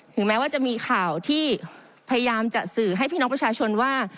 แม้ว่าจะมีข่าวที่พยายามจะสื่อให้พี่น้องประชาชนว่า